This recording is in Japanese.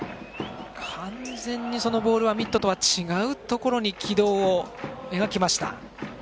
完全に、そのボールはミットとは違うところに軌道を描きました。